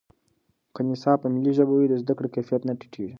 که نصاب په ملي ژبه وي، د زده کړې کیفیت نه ټیټېږي.